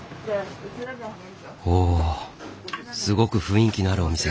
おっすごく雰囲気のあるお店。